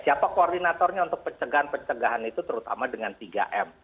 siapa koordinatornya untuk pencegahan pencegahan itu terutama dengan tiga m